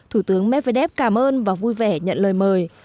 thủ tướng medvedev cảm ơn và vui vẻ nhận lời mời